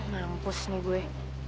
nampus nih gue